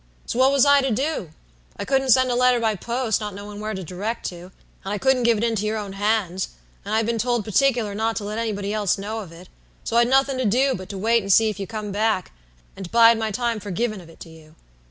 So what was I to do? I couldn't send a letter by post, not knowin' where to direct to, and I couldn't give it into your own hands, and I'd been told partickler not to let anybody else know of it; so I'd nothing to do but to wait and see if you come back, and bide my time for givin' of it to you.